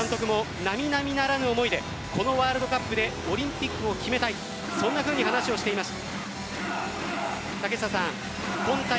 それだけ眞鍋監督も並々ならぬ思いでこのワールドカップでオリンピックを決めたいそんなふうに話をしています。